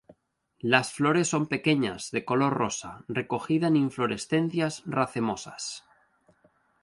Las flores son pequeñas, de color rosa, recogida en inflorescencias racemosas.